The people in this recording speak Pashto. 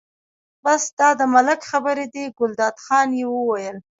بس دا د ملک خبرې دي، ګلداد خان یې وویل.